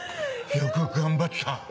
よく頑張った。